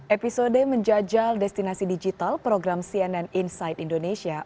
episode menjajal destinasi digital program cnn inside indonesia